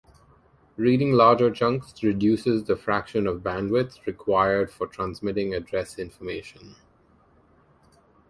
Reading larger chunks reduces the fraction of bandwidth required for transmitting address information.